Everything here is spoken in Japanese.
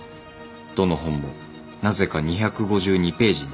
どの本もなぜか２５２ページに。